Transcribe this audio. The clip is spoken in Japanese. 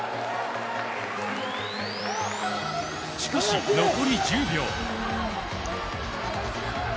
しかし、残り１０秒。